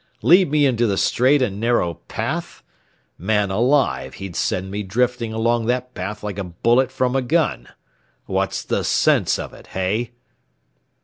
Lead me into the straight and narrow path? Man alive, he'd send me drifting along that path like a bullet from a gun. What's the sense of it, hey?"